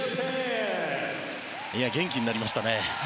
元気になりましたね。